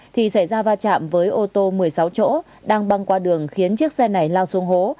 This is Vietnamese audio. thì xảy ra va chạm với ô tô một mươi sáu chỗ đang băng qua đường khiến chiếc xe này lao xuống hố